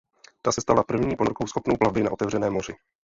Ta se stala první ponorkou schopnou plavby na otevřeném moři.